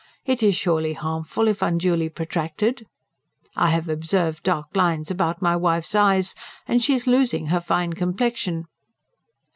It is surely harmful if unduly protracted? I have observed dark lines about my wife's eyes, and she is losing her fine complexion.